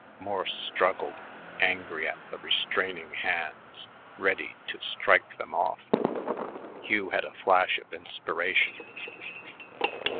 Morse struggled, angry at the restraining hands, ready to strike them off. Hugh had a flash of inspiration.